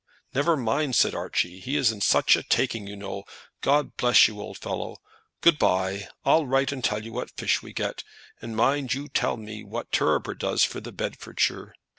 "Never mind," said Archie. "He is in such a taking, you know. God bless you, old fellow; good by! I'll write and tell you what fish we get, and mind you tell me what Turriper does for the Bedfordshire.